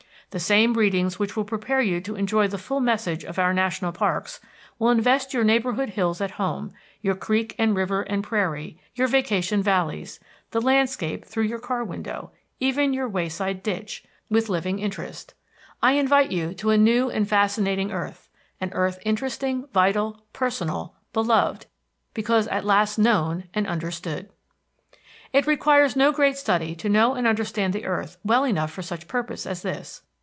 The same readings which will prepare you to enjoy to the full the message of our national parks will invest your neighborhood hills at home, your creek and river and prairie, your vacation valleys, the landscape through your car window, even your wayside ditch, with living interest. I invite you to a new and fascinating earth, an earth interesting, vital, personal, beloved, because at last known and understood! It requires no great study to know and understand the earth well enough for such purpose as this.